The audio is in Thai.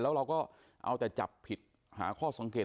แล้วเราก็เอาแต่จับผิดหาข้อสังเกต